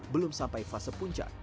belum sampai fase puncak